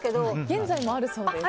現在もあるそうです。